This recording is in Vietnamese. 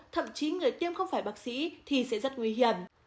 thậm chí người tiêm không phải bác sĩ thì sẽ rất nguy hiểm